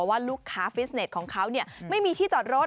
ว่าลูกค้าฟิสเน็ตของเขาไม่มีที่จอดรถ